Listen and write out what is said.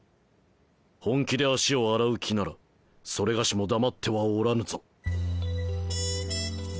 本気で足を洗う気ならそれがしも黙ってはおらぬぞ。